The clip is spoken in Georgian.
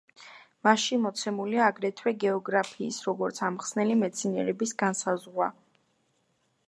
მასში მოცემულია აგრეთვე გეოგრაფიის, როგორც ამხსნელი მეცნიერების, განსაზღვრა.